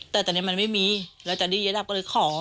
แต่ตอนนี้มันไม่มีแล้วตอนนี้ยายดำก็เลยขอ